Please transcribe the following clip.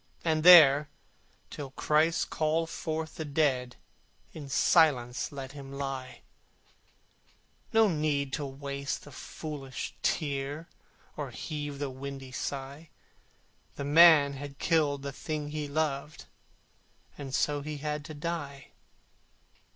And there, till Christ call forth the dead, In silence let him lie: No need to waste the foolish tear, Or heave the windy sigh: The man had killed the thing he loved, And so he had to die.